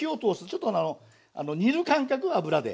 ちょっと煮る感覚油で。